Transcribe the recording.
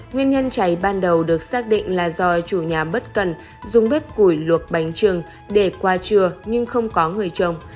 nguyên nhân cháy ban đầu được xác định là do chủ nhà bất cần dùng bếp củi luộc bánh trừng để qua trưa nhưng không có người chồng